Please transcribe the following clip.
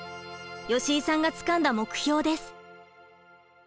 吉井さんがつかんだ目標です。